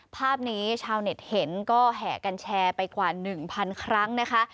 ภาพนี้ชาวเน็ตเห็นก็แห่กันแชร์ไปกว่า๑๐๐ครั้งนะคะ